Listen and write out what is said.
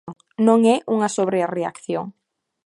Non é unha sobrereaación.